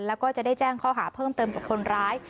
แล้วก็จะได้แจ้งข้อหาเพิ่มเติมกับคนร้าย